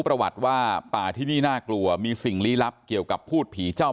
ประวัติว่าป่าที่นี่น่ากลัวมีสิ่งลี้ลับเกี่ยวกับพูดผีเจ้า